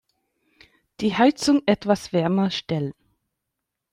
Die Heizung etwas wärmer stellen.